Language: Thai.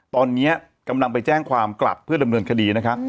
ตอนนี้กำลังไปแจ้งความกลับเพื่อดำเนินคดีนะคะ